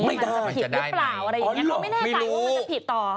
มันจะผิดหรือเปล่าอะไรอย่างนี้เขาไม่แน่ใจว่ามันจะผิดต่อ